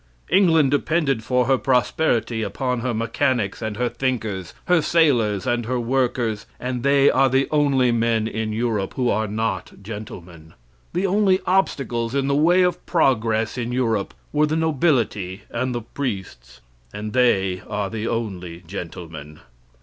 England depended for her prosperity upon her mechanics and her thinkers, her sailors and her workers, and they are the only men in Europe who are not gentlemen. The only obstacles in the way of progress in Europe were the nobility and the priests, and they are the only gentlemen.